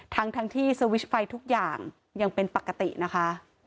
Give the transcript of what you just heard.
ทั้งที่สวิชไฟทุกอย่างยังเป็นปกตินะคะ